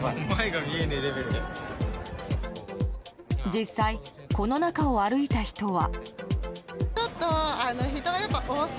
実際、この中を歩いた人は。